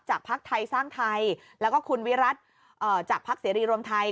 พักไทยสร้างไทยแล้วก็คุณวิรัติจากภักดิ์เสรีรวมไทย